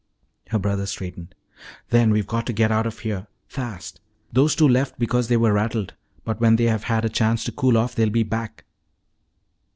Her brother straightened. "Then we've got to get out of here fast. Those two left because they were rattled, but when they have had a chance to cool off they'll be back."